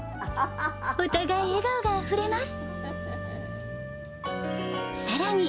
お互い笑顔があふれます。